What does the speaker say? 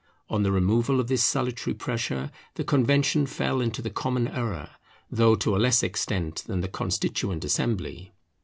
On the removal of this salutary pressure, the Convention fell into the common error, though to a less extent than the Constituent Assembly.